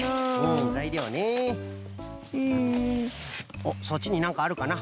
おっそっちになんかあるかな？